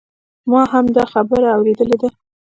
ما هم دا خبره اوریدلې ده